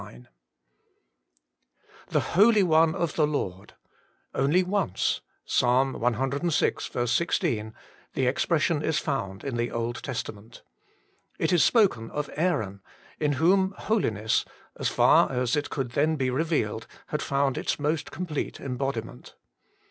fTlHE holy one of the Lord' only once (Ps. cvi. L 16) the expression is found in the Old Testament. It is spoken of Aaron, in whom holiness, as far as it could then be revealed, had found its most complete embodiment.